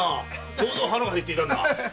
ちょうど腹が減っていたんだ。